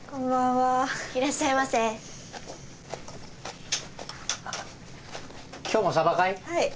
はい。